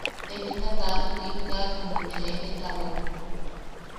Te jita kaa tuʼik yaak juni te eʼetawan.